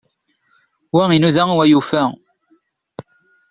Wa inuda, wa yufa.